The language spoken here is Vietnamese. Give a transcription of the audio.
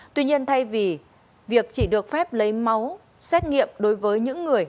tuy nhiên thay vì việc chỉ được phép lấy máu xét nghiệm đối với những người